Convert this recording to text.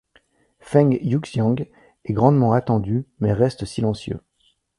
Feng Yuxiang est grandement attendu mais reste silencieux.